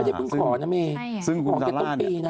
ไม่ได้เพิ่งขอเหรอเม